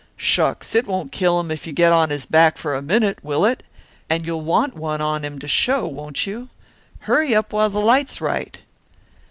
"Shucks! It won't kill him if you get on his back for a minute, will it? And you'll want one on him to show, won't you? Hurry up, while the light's right."